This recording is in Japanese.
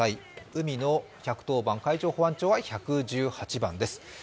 海の１１０番海上保安庁は１１８番です。